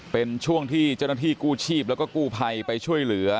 เป็นช่วงที่เจ้าหน้าที่กู้ชีพแล้วก็กู้ภัยไปช่วยเหลือ